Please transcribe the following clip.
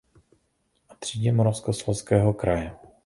A třídě Moravskoslezského kraje.